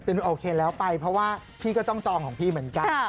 เป็นโอเคแล้วไปเพราะว่าพี่ก็ต้องจองของพี่เหมือนกัน